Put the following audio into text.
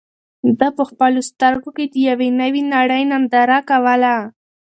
ده په خپلو سترګو کې د یوې نوې نړۍ ننداره کوله.